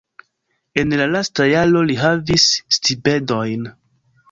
En la lasta jaro li havis stipendion.